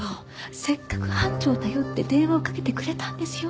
せっかく班長を頼って電話をかけてくれたんですよ。